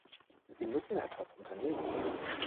Sie müssen etwas unternehmen!